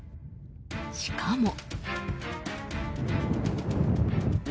しかも。